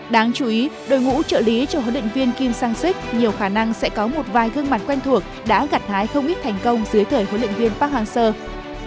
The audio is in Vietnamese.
đáng chú ý đội ngũ trợ lý cho huấn luyện viên kim sang sik nhiều khả năng sẽ có một vài gương mặt quen thuộc đã gặt hái không ít thành công dưới thời huấn luyện viên park hang seo